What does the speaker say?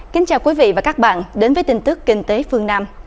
kính chào quý vị và các bạn đến với tin tức kinh tế phương nam